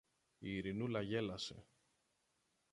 Η Ειρηνούλα γέλασε.